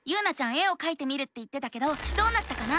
絵をかいてみるって言ってたけどどうなったかな？